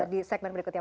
di segmen berikutnya